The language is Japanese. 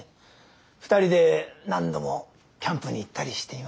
２人で何度もキャンプに行ったりしていました。